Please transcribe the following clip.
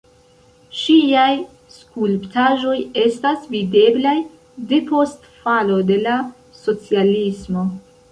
Ŝiaj skulptaĵoj estas videblaj depost falo de la socialismo.